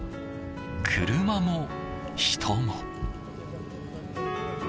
車も人も。